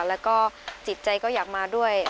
แล้วก็จิตใจก็อยากมาด้วย